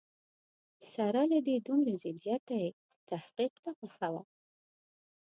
سره له دې دومره ضدیته یې تحقیق ته مخه وه.